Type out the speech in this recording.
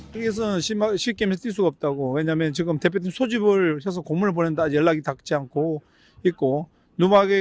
di sini tidak bisa menang di sinteyong karena tim depan menjelajah dan mengirim komunikasi